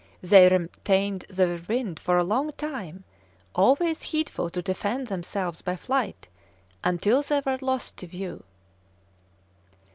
They retained their wind for a long time, always heedful to defend themselves by flight, until they were lost to view."